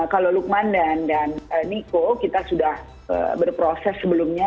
kalau lukman dan niko kita sudah berproses sebelumnya